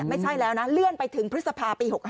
ไม่ใช่แล้วนะเลื่อนไปถึงพฤษภาปี๖๕